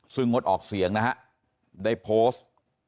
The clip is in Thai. ซึ่งงดออกเสียงนะฮะได้โพสต์